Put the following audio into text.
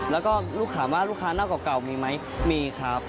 แล้วก็ลูกถามว่าลูกค้าหน้าเก่ามีไหมมีครับ